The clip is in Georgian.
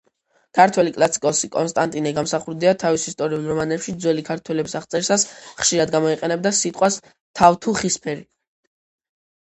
ქართველი კლასიკოსი კონსტანტინე გამსახურდია თავის ისტორიულ რომანებში, ძველი ქართველების აღწერისას, ხშირად გამოიყენებდა სიტყვას თავთუხისფერი.